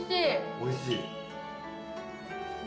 おいしい？